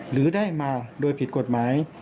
หรือได้มาโดยผิดกฎหมาย